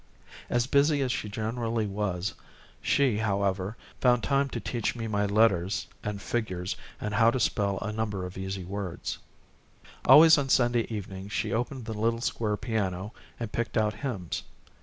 As busy as she generally was, she found time, however, to teach me my letters and figures and how to spell a number of easy words. Always on Sunday evenings she opened the little square piano and picked out hymns.